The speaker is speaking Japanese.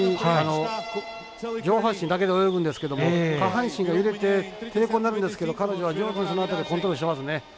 上半身だけで泳ぐんですけども下半身が揺れて抵抗になるんですけど彼女は上手にその辺りコントロールしてますね。